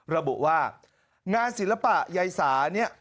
ระบุว่างานศิลปะยายสาเนี่ย